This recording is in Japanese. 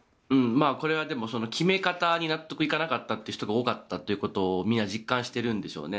これは決め方に納得いかなかった人が多かったということをみんな実感してるんでしょうね。